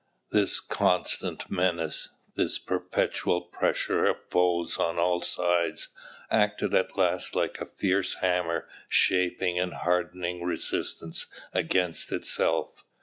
This constant menace, this perpetual pressure of foes on all sides, acted at last like a fierce hammer shaping and hardening resistance against itself.